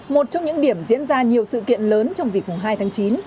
một trong những điểm diễn ra nhiều sự kiện lớn trong dịp hai tháng chín